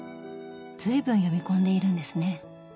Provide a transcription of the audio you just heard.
随分読み込んでいるんですね。